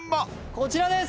こちらです！